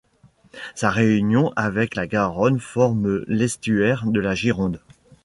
Sa réunion avec la Garonne forme l’estuaire de la Gironde.